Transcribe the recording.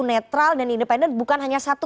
netral dan independen bukan hanya satu